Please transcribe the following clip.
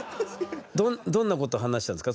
どんなこと話したんですか？